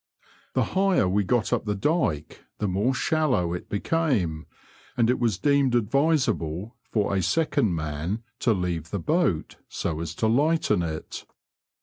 The higher we got up the dyke, the more shallow it became, and it was deemed advisable for a second man to leave the boat, so as to lighten it.